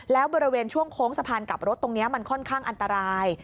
แล้วบริเวณช่วงโค้งสะพานกลับรถตรงนี้มันค่อนข้างอันตราย